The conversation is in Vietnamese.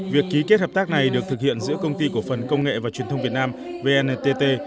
việc ký kết hợp tác này được thực hiện giữa công ty cổ phần công nghệ và truyền thông việt nam vntt